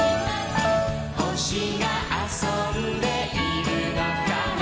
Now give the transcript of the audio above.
「ほしがあそんでいるのかな」